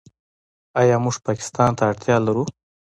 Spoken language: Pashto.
آیا موږ پاکستان ته اړتیا لرو؟